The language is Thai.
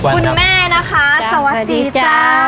คุณแม่นะคะสวัสดีจ้า